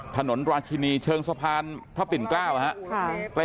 ถนนราชินีเชิงสะพานพระปิ่นเกล้าครับ